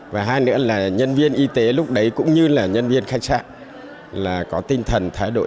và hai nữa là nhân viên y tế lúc đấy cũng như là nhân viên khách sạn là có tinh thần thái độ